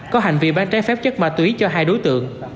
có hành vi bán trái phép chất ma túy cho hai đối tượng